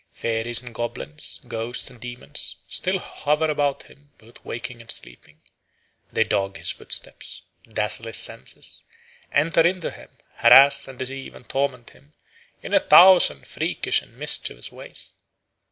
Fairies and goblins, ghosts and demons, still hover about him both waking and sleeping. They dog his footsteps, dazzle his senses, enter into him, harass and deceive and torment him in a thousand freakish and mischievous ways.